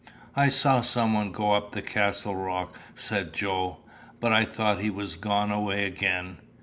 "I saw someone go up the Castle rock," said Joe; "but I thought he was gone away again.